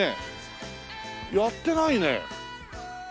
やってないね。